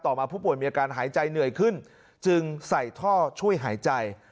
มาผู้ป่วยมีอาการหายใจเหนื่อยขึ้นจึงใส่ท่อช่วยหายใจ